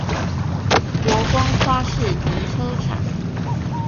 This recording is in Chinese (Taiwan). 國光花市停車場